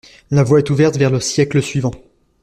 La voie est ouverte vers le siècle suivant.